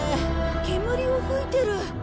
煙を噴いてる。